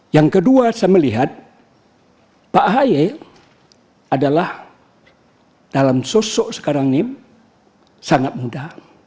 yang kedua saya melihat pak ahy adalah dalam sosok sekarang ini sangat muda